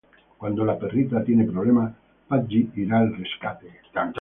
Cuando la perrita tiene problemas Pudgy irá al rescate.